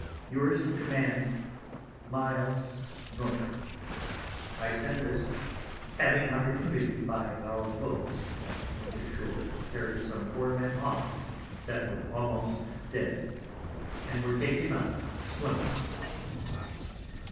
Yours to Command, Miles Norcliffe. I send this, having opportunity by our Botes, that went Ashoar to carry some poor Men off, that were almost dead, and were taken up Swimming.